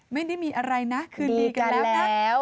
ไม่ได้มีอะไรนะคืนดีกันแล้วนะ